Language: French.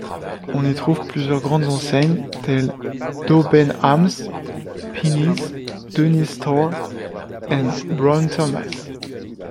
On y trouve plusieurs grandes enseignes telles Debenhams, Penneys, Dunnes Stores et Brown Thomas.